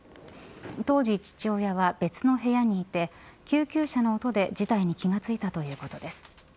当時、父親は別の部屋にいて救急車の音で事態に気が付いたということです。